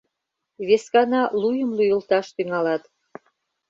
— Вескана луйым лӱйылташ тӱҥалат.